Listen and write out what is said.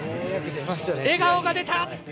笑顔が出た！